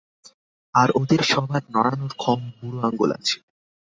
আর ওদের সবার নড়ানোর ক্ষম বুড়ো আঙুল আছে।